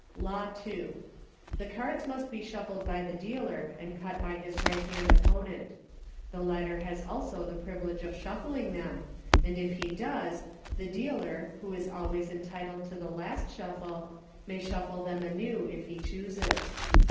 Law II. The cards must be shuffled by the dealer and cut by his right hand opponent. The latter has also the privilege of shuffling them, and if he does, the dealer, who is always enti tled to the last shuffle, may shuffle them anew if he chooses.